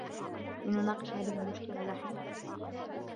لنناقش هذه المشكلة لاحقاً.